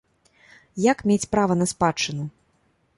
Як мець права на спадчыну?